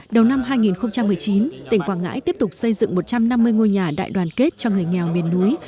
đầu năm hai nghìn một mươi chín tỉnh quảng ngãi tiếp tục xây dựng một trăm năm mươi ngôi nhà đại đoàn kết cho người nghèo miền núi